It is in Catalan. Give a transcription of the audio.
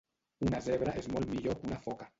Una zebra és molt millor que una foca